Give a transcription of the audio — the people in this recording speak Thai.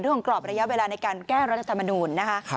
เรื่องกรอบระยะเวลาในการแก้รัฐธรรมนูญ